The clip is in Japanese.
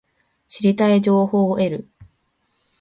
知りたい情報を得る